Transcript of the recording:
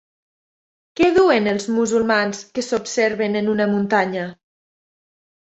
Què duen els musulmans que s'observen en una muntanya?